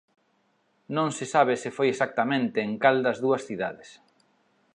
Non se sabe se foi exactamente en cal das dúas cidades.